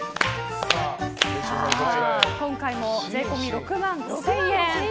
今回も税込み６万５０００円。